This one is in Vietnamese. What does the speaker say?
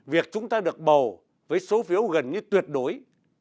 việc chúng ta được bầu với số phiếu gần như tuyệt đối